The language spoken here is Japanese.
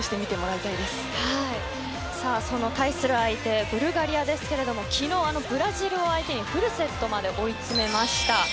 なので対する相手ブルガリアですけれども昨日、ブラジルを相手にフルセットまで追い詰めました。